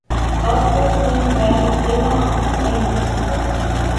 Aufführungen werden immer auf Englisch gesungen.